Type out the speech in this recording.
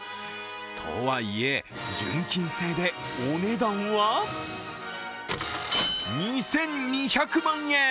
とはいえ、純金製でお値段は２２００万円！